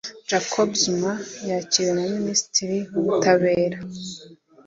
Jacob Zuma yakiriwe na Minisitiri w’Ubutabera